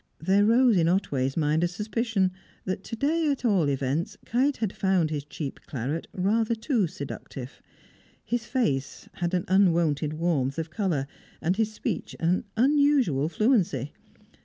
There rose in Otway's mind a suspicion that, to day at all events, Kite had found his cheap claret rather too seductive. His face had an unwonted warmth of colour, and his speech an unusual fluency.